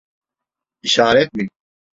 İşaret mi?